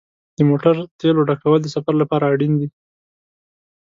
د موټر تیلو ډکول د سفر لپاره اړین دي.